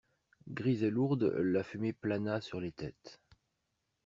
Grise et lourde, la fumée plana sur les têtes.